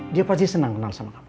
dia pasti senang kenal sama kamu